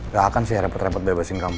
gak akan saya repot repot bebasin kamu